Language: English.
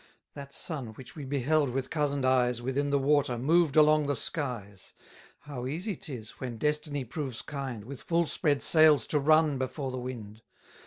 60 That sun, which we beheld with cozen'd eyes Within the water, moved along the skies. How easy 'tis, when destiny proves kind, With full spread sails to run before the wind!